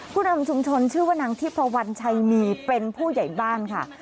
ผู้นำชุมชนชื่อว่านางทิพวันชัยมีเป็นผู้ใหญ่บ้านค่ะ